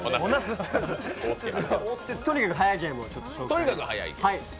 とにかくはやいゲームを紹介します。